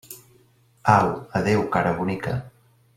Au, adéu, cara bonica!